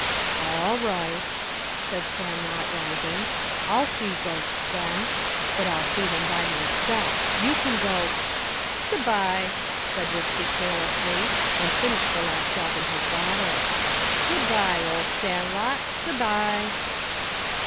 "All right!" said Sandlot, rising. "I'll see ghosts, then. But I'll see them by myself. You can go " "Goo' bye!" said Wixy carelessly, and finished the last drop in his bottle. "Goo' bye, ol' Sandlot! Goo' bye!"